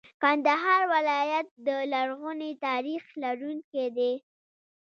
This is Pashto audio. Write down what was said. کندهار ولایت د لرغوني تاریخ لرونکی دی.